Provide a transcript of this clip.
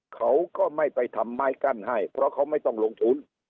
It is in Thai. เขาก็ไม่ไปทำไม้กั้นให้เพราะเขาไม่ต้องลงทุน